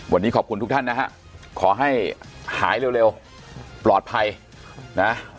วันนี้ขอบคุณทุกท่านนะฮะขอให้หายเร็วปลอดภัยนะ